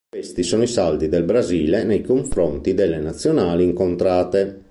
Questi sono i saldi del Brasile nei confronti delle Nazionali incontrate.